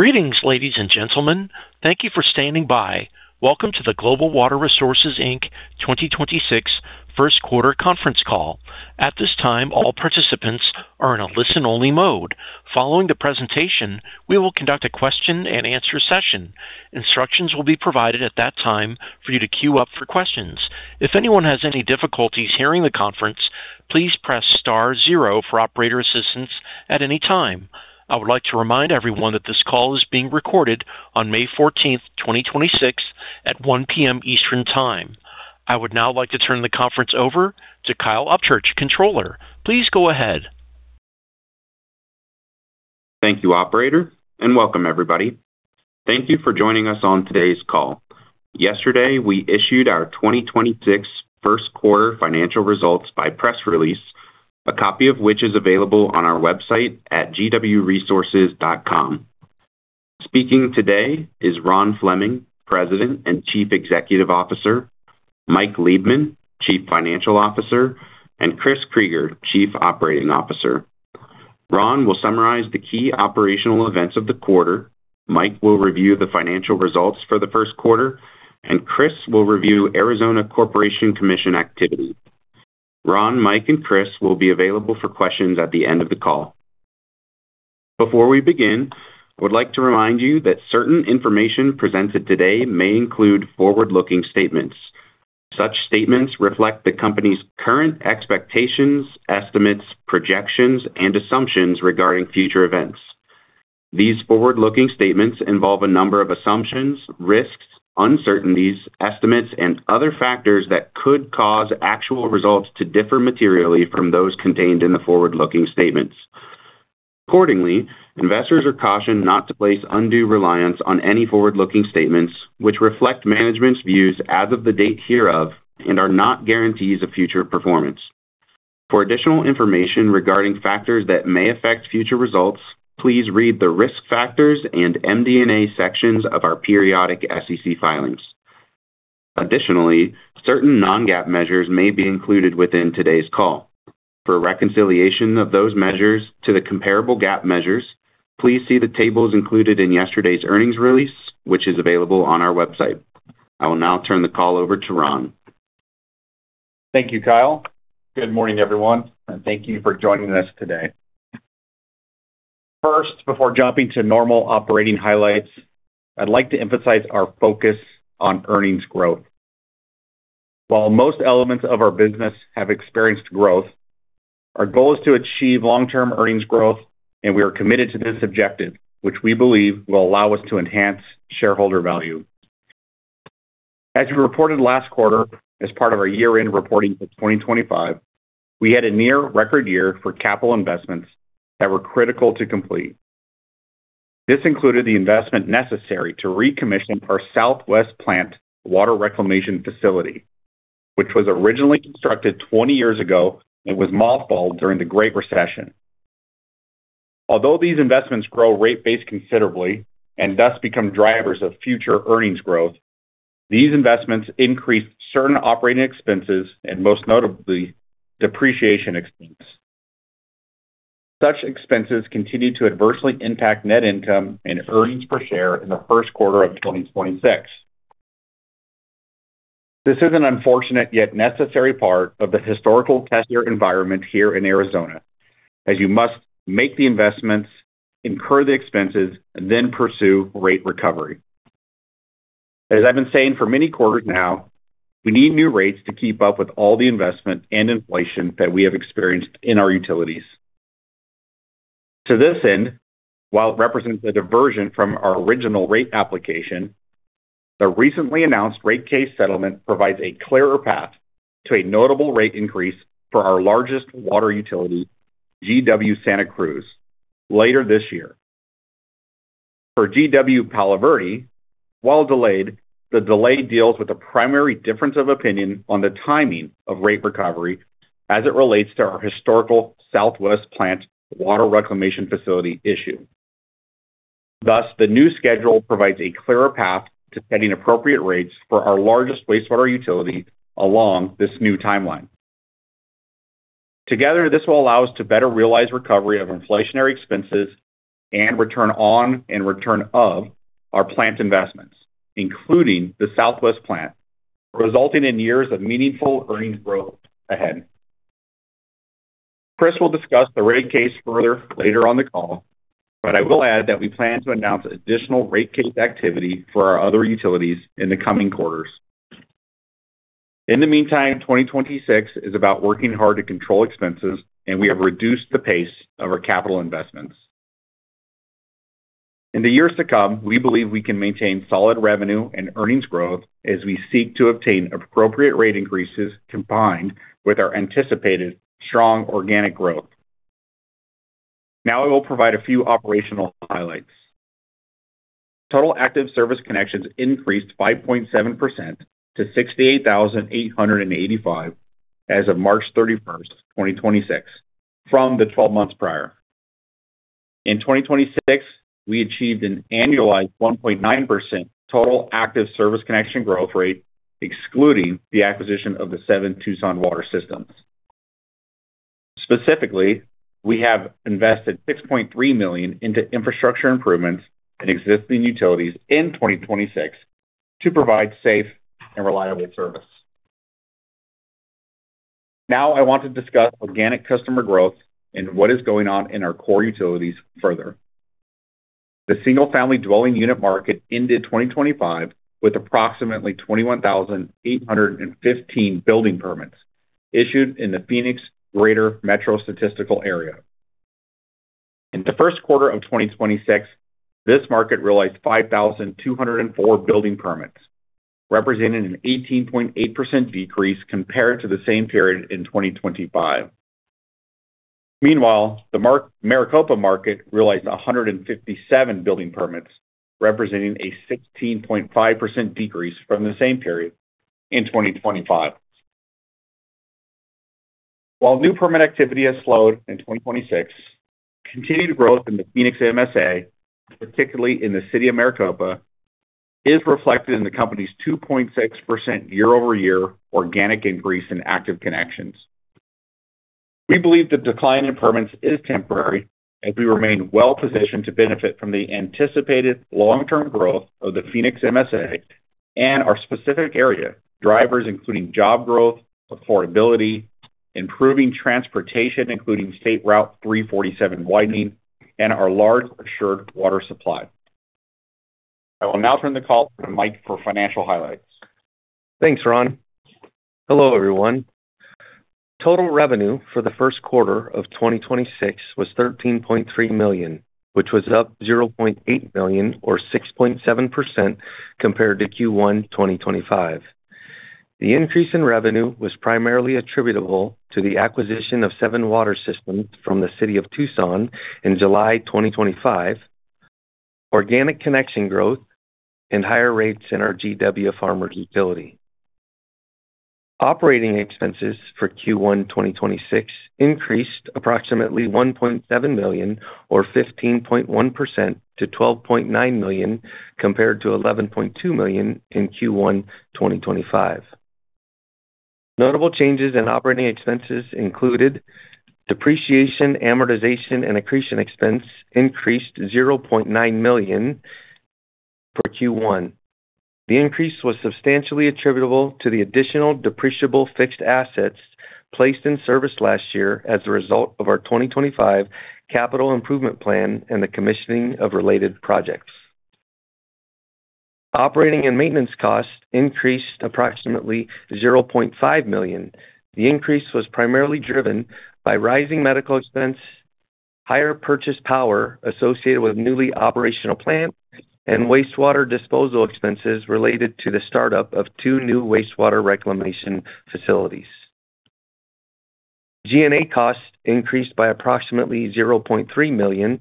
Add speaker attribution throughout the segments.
Speaker 1: Greetings, ladies and gentlemen. Thank you for standing by. Welcome to the Global Water Resources Inc 2026 first quarter conference call. At this time, all participants are in a listen-only mode. Following the presentation, we will conduct a question-and-answer session. Instructions will be provided at that time for you to queue up for questions. If anyone has any difficulties hearing the conference, please press star zero for operator assistance at any time. I would like to remind everyone that this call is being recorded on May 14, 2026 at 1:00 P.M. Eastern Time. I would now like to turn the conference over to Kyle Upchurch, Controller. Please go ahead.
Speaker 2: Thank you, operator, and welcome everybody. Thank you for joining us on today's call. Yesterday, we issued our 2026 first quarter financial results by press release, a copy of which is available on our website at gwresources.com. Speaking today is Ron Fleming, President and Chief Executive Officer, Mike Liebman, Chief Financial Officer, and Chris Krygier, Chief Operating Officer. Ron will summarize the key operational events of the quarter, Mike will review the financial results for the first quarter, and Chris will review Arizona Corporation Commission activity. Ron, Mike, and Chris will be available for questions at the end of the call. Before we begin, I would like to remind you that certain information presented today may include forward-looking statements. Such statements reflect the company's current expectations, estimates, projections, and assumptions regarding future events. These forward-looking statements involve a number of assumptions, risks, uncertainties, estimates, and other factors that could cause actual results to differ materially from those contained in the forward-looking statements. Accordingly, investors are cautioned not to place undue reliance on any forward-looking statements, which reflect management's views as of the date hereof and are not guarantees of future performance. For additional information regarding factors that may affect future results, please read the Risk Factors and MD&A sections of our periodic SEC filings. Additionally, certain non-GAAP measures may be included within today's call. For a reconciliation of those measures to the comparable GAAP measures, please see the tables included in yesterday's earnings release, which is available on our website. I will now turn the call over to Ron.
Speaker 3: Thank you, Kyle. Good morning, everyone, and thank you for joining us today. Before jumping to normal operating highlights, I'd like to emphasize our focus on earnings growth. While most elements of our business have experienced growth, our goal is to achieve long-term earnings growth, we are committed to this objective, which we believe will allow us to enhance shareholder value. As we reported last quarter as part of our year-end reporting for 2025, we had a near record year for capital investments that were critical to complete. This included the investment necessary to recommission our Southwest Plant Water Reclamation Facility, which was originally constructed 20 years ago and was mothballed during the Great Recession. Although these investments grow rate base considerably and thus become drivers of future earnings growth, these investments increase certain operating expenses and most notably, depreciation expense. Such expenses continue to adversely impact net income and earnings per share in the first quarter of 2026. This is an unfortunate yet necessary part of the historical test year environment here in Arizona, as you must make the investments, incur the expenses, and then pursue rate recovery. As I've been saying for many quarters now, we need new rates to keep up with all the investment and inflation that we have experienced in our utilities. To this end, while it represents a diversion from our original rate application, the recently announced rate case settlement provides a clearer path to a notable rate increase for our largest water utility, GW Santa Cruz, later this year. For GW Palo Verde, while delayed, the delay deals with the primary difference of opinion on the timing of rate recovery as it relates to our historical Southwest Plant Water Reclamation facility issue. Thus, the new schedule provides a clearer path to setting appropriate rates for our largest wastewater utility along this new timeline. Together, this will allow us to better realize recovery of inflationary expenses and return on and return of our plant investments, including the Southwest Plant, resulting in years of meaningful earnings growth ahead. Chris will discuss the rate case further later on the call, but I will add that we plan to announce additional rate case activity for our other utilities in the coming quarters. In the meantime, 2026 is about working hard to control expenses, and we have reduced the pace of our capital investments. In the years to come, we believe we can maintain solid revenue and earnings growth as we seek to obtain appropriate rate increases combined with our anticipated strong organic growth. Now I will provide a few operational highlights. Total active service connections increased 5.7% to 68,885 as of March 31, 2026 from the 12 months prior. In 2026, we achieved an annualized 1.9% total active service connection growth rate, excluding the acquisition of the seven Tucson Water systems. Specifically, we have invested $6.3 million into infrastructure improvements and existing utilities in 2026 to provide safe and reliable service. Now I want to discuss organic customer growth and what is going on in our core utilities further. The single-family dwelling unit market ended 2025 with approximately 21,815 building permits issued in the Phoenix Greater Metro Statistical Area. In the first quarter of 2026, this market realized 5,204 building permits, representing an 18.8% decrease compared to the same period in 2025. The Maricopa market realized 157 building permits, representing a 16.5% decrease from the same period in 2025. New permit activity has slowed in 2026, continued growth in the Phoenix MSA, particularly in the city of Maricopa, is reflected in the company's 2.6% year-over-year organic increase in active connections. We believe the decline in permits is temporary, as we remain well-positioned to benefit from the anticipated long-term growth of the Phoenix MSA and our specific area. Drivers including job growth, affordability, improving transportation, including State Route 347 widening, and our large Assured Water Supply. I will now turn the call to Mike for financial highlights.
Speaker 4: Thanks, Ron. Hello, everyone. Total revenue for the first quarter of 2026 was $13.3 million, which was up $0.8 million or 6.7% compared to Q1 2025. The increase in revenue was primarily attributable to the acquisition of seven water systems from the City of Tucson in July 2025, organic connection growth, and higher rates in our GW Farmers utility. Operating expenses for Q1 2026 increased approximately $1.7 million or 15.1% to $12.9 million compared to $11.2 million in Q1 2025. Notable changes in operating expenses included depreciation, amortization, and accretion expense increased $0.9 million for Q1. The increase was substantially attributable to the additional depreciable fixed assets placed in service last year as a result of our 2025 capital improvement plan and the commissioning of related projects. Operating and maintenance costs increased approximately $0.5 million. The increase was primarily driven by rising medical expense, higher purchase power associated with newly operational plants, and wastewater disposal expenses related to the startup of two new wastewater reclamation facilities. G&A costs increased by approximately $0.3 million,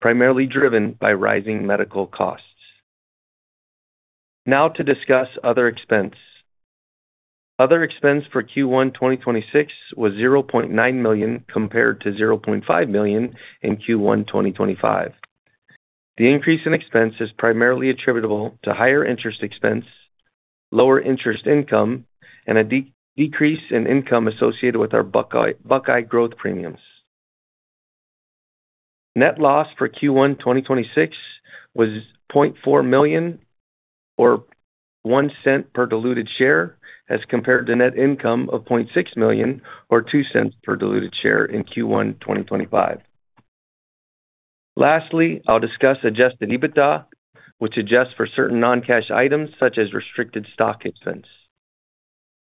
Speaker 4: primarily driven by rising medical costs. Now to discuss other expense. Other expense for Q1 2026 was $0.9 million compared to $0.5 million in Q1 2025. The increase in expense is primarily attributable to higher interest expense, lower interest income, and a decrease in income associated with our Buckeye growth premiums. Net loss for Q1 2026 was $0.4 million or $0.01 per diluted share as compared to net income of $0.6 million or $0.02 per diluted share in Q1 2025. Lastly, I'll discuss Adjusted EBITDA, which adjusts for certain non-cash items such as restricted stock expense.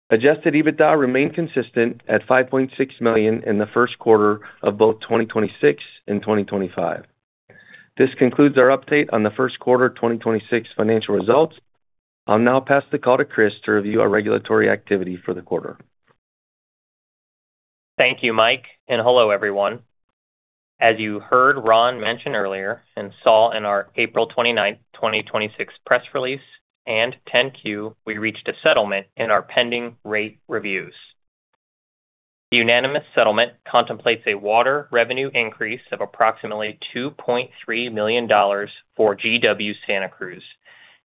Speaker 4: Adjusted EBITDA remained consistent at $5.6 million in the first quarter of both 2026 and 2025. This concludes our update on the first quarter 2026 financial results. I'll now pass the call to Chris to review our regulatory activity for the quarter.
Speaker 5: Thank you, Mike, and hello, everyone. As you heard Ron mention earlier and saw in our April 29th, 2026 press release and 10-Q, we reached a settlement in our pending rate reviews. The unanimous settlement contemplates a water revenue increase of approximately $2.3 million for GW Santa Cruz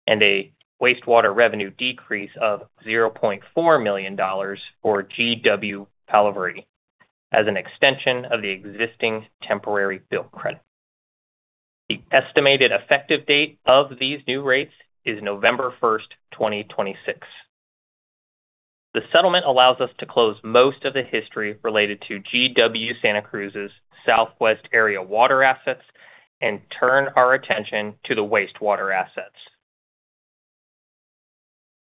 Speaker 5: and a wastewater revenue decrease of $0.4 million for GW Palo Verde as an extension of the existing temporary bill credit. The estimated effective date of these new rates is November 1st, 2026. The settlement allows us to close most of the history related to GW Santa Cruz's southwest area water assets and turn our attention to the wastewater assets.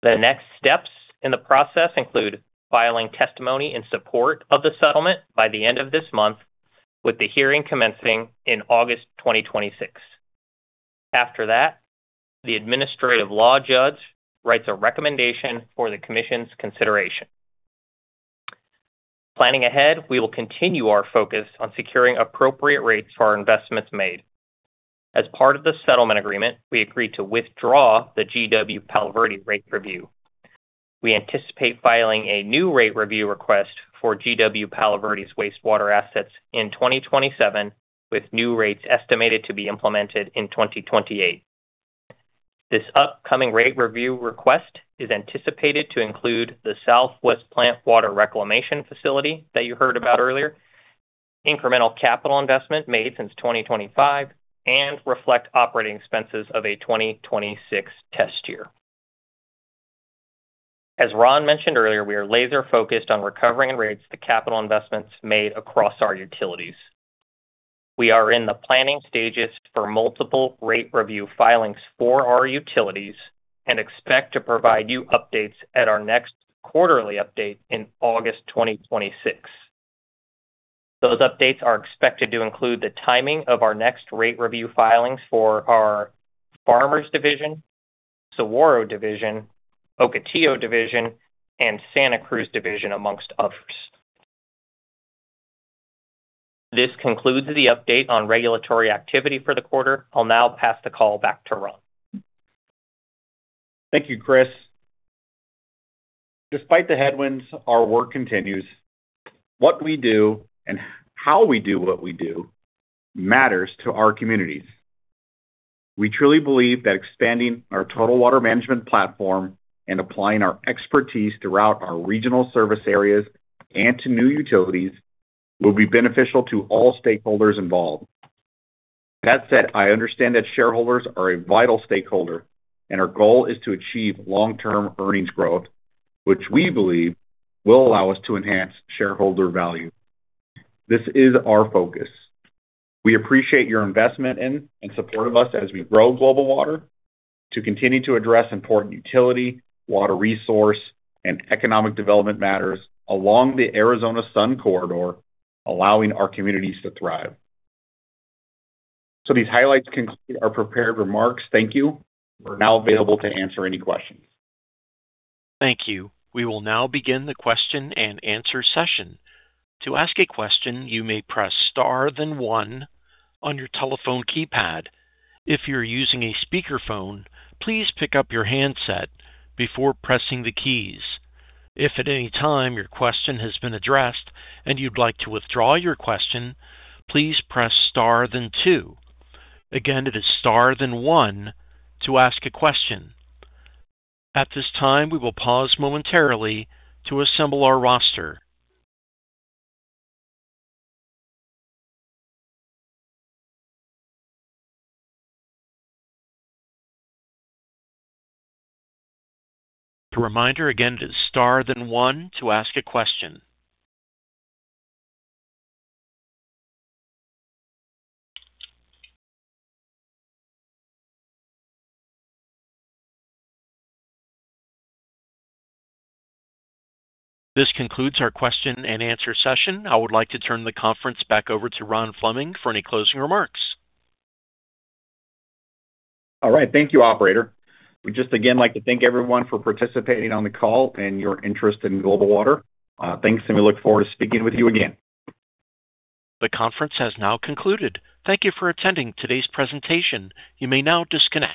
Speaker 5: The next steps in the process include filing testimony in support of the settlement by the end of this month, with the hearing commencing in August 2026. After that, the administrative law judge writes a recommendation for the commission's consideration. Planning ahead, we will continue our focus on securing appropriate rates for our investments made. As part of the settlement agreement, we agreed to withdraw the GW Palo Verde rate review. We anticipate filing a new rate review request for GW Palo Verde's wastewater assets in 2027, with new rates estimated to be implemented in 2028. This upcoming rate review request is anticipated to include the Southwest Plant Water Reclamation facility that you heard about earlier, incremental capital investment made since 2025, and reflect operating expenses of a 2026 test year. As Ron mentioned earlier, we are laser-focused on recovering and rates the capital investments made across our utilities. We are in the planning stages for multiple rate review filings for our utilities and expect to provide you updates at our next quarterly update in August 2026. Those updates are expected to include the timing of our next rate review filings for our Farmers Division, Saguaro Division, Ocotillo Division and Santa Cruz Division, amongst others. This concludes the update on regulatory activity for the quarter. I'll now pass the call back to Ron.
Speaker 3: Thank you, Chris. Despite the headwinds, our work continues. What we do and how we do what we do matters to our communities. We truly believe that expanding our Total Water Management platform and applying our expertise throughout our regional service areas and to new utilities will be beneficial to all stakeholders involved. I understand that shareholders are a vital stakeholder and our goal is to achieve long-term earnings growth, which we believe will allow us to enhance shareholder value. This is our focus. We appreciate your investment in and support of us as we grow Global Water to continue to address important utility, water resource, and economic development matters along the Arizona Sun Corridor, allowing our communities to thrive. These highlights conclude our prepared remarks. Thank you. We're now available to answer any questions.
Speaker 1: Thank you. We will now begin the question and answer session. To ask a question, you may press star, then one on your telephone keypad. If you are using a speakerphone, please pick up your handset before pressing the keys. If at any time your question has been addressed and you would like to withdraw your question, please press star, then two. Again, it is star, then one to ask a question. At this time, we will pause momentarily to assemble our roster. A reminder again, it's star then one to ask a question. This concludes our question and answer session. I would like to turn the conference back over to Ron Fleming for any closing remarks.
Speaker 3: All right. Thank you, operator. We just again like to thank everyone for participating on the call and your interest in Global Water. Thanks. We look forward to speaking with you again.
Speaker 1: The conference has now concluded. Thank you for attending today's presentation. You may now disconnect.